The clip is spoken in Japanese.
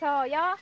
そうよ。